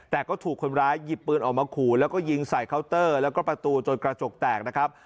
แต่ก็ถูกคนร้ายหยิบปืนออกมาขู่แล้วก็ยิงใส่เคาน์เตอร์แล้วก็ประตูจนกระจกแตกนะครับ